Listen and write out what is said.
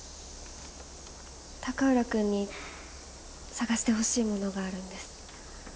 高浦君に探してほしいものがあるんです。